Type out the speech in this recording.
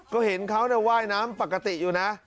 ก็เห็นเขาว่ายน้ำปกติอยู่นะ